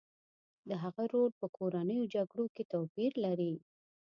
د هغه رول په کورنیو جګړو کې توپیر لري